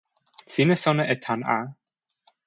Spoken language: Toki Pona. sina sona e tan a.